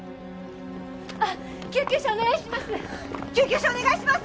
救急車お願いします！